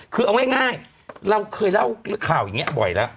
คือเอาง่ายเราเคยเล่าข่าวอย่างนี้บ่อยแล้ว